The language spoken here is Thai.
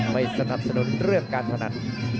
ไม่สนับสนุนเรื่องการพนัน